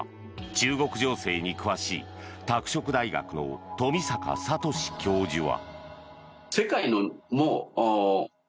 中国情勢に詳しい拓殖大学の富坂聰教授は。